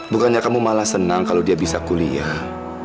bukannya kamu malah senang kalau dia bisa kuliah